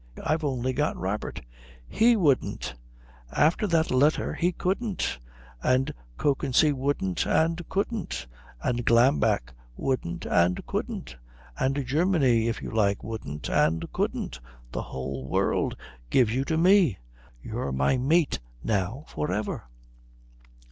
I've only got Robert " "He wouldn't. After that letter he couldn't. And Kökensee wouldn't and couldn't. And Glambeck wouldn't and couldn't. And Germany, if you like, wouldn't and couldn't. The whole world gives you to me. You're my mate now for ever."